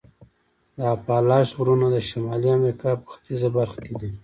د اپالاش غرونه د شمالي امریکا په ختیځه برخه کې دي.